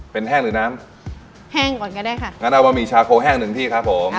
เป็นแห้งหรือน้ำแห้งก่อนก็ได้ค่ะงั้นเอาบะหมี่ชาโคแห้งหนึ่งที่ครับผม